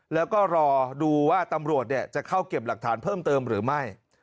แล้วก็รอดูว่าตำรวจจะเข้าเก็บหลักฐานเพิ่มเติมหรือไม่